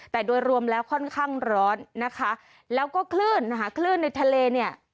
แต่โดยรวมแล้วค่อนข้างร้อนนะคะแล้วก็คลื่นนะคะคลื่นในทะเลเนี่ย